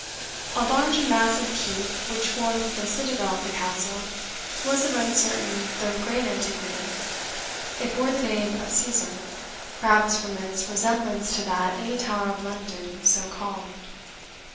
A large and massive Keep, which formed the citadel of the Castle, was of uncertain though great antiquity. It bore the name of Caesar, perhaps from its resemblance to that in the Tower of London so called.